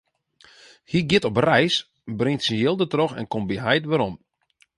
Hy giet op reis, bringt syn jild dertroch en komt by heit werom.